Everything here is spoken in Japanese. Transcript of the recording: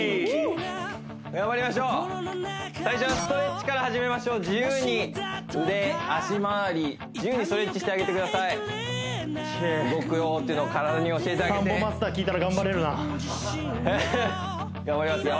頑張りましょう最初はストレッチから始めましょう自由に腕脚まわり自由にストレッチしてあげてください動くよっていうのを体に教えてあげてサンボマスター聴いたら頑張れるな頑張りますよ